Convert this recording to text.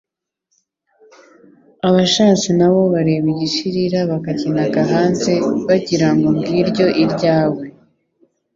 Abashatse nabo bareba igishirira bakakinaga hanze bagira ngo Ng’iryo iryawe